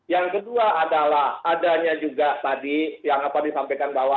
yang kedua adalah adanya juga tadi yang apa disampaikan bahwa